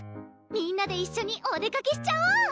みんなで一緒にお出かけしちゃおう！